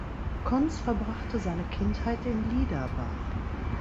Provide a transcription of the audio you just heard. Conz verbrachte seine Kindheit in Liederbach.